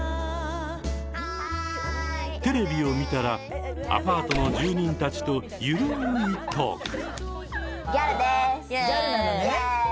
テレビを見たらアパートの住人たちと緩いトーク。